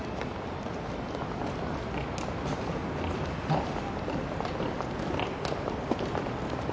あっ。